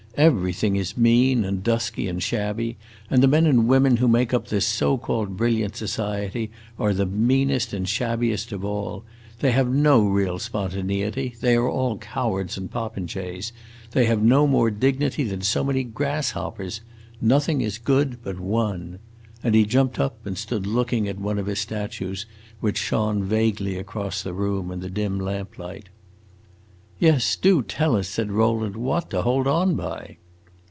Everything is mean and dusky and shabby, and the men and women who make up this so called brilliant society are the meanest and shabbiest of all. They have no real spontaneity; they are all cowards and popinjays. They have no more dignity than so many grasshoppers. Nothing is good but one!" And he jumped up and stood looking at one of his statues, which shone vaguely across the room in the dim lamplight. "Yes, do tell us," said Rowland, "what to hold on by!"